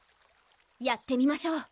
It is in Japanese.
やってみましょう！